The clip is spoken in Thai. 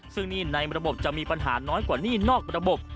ซึ่งหนี้ในระบบจะมีปัญหาน้อยกว่าหนี้นอกระบบ